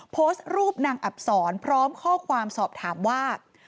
โพสต์รูปนางอับศรพร้อมข้อความสอบถามว่า